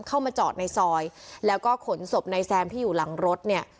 เข้ามาจอดในซอยแล้วก็ขนศพนายแซมที่อยู่หลังรถเนี่ย